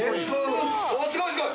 すごいすごい！